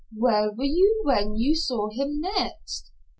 "Where were you when you saw him next?"